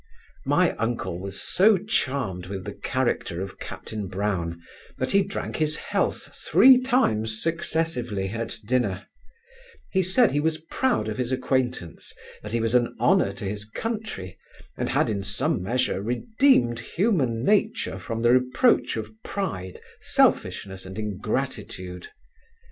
My uncle was so charmed with the character of captain Brown, that he drank his health three times successively at dinner He said, he was proud of his acquaintance; that he was an honour to his country, and had in some measure redeemed human nature from the reproach of pride, selfishness, and ingratitude.